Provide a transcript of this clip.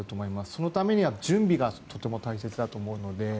そのためには準備がとても大切だと思うので。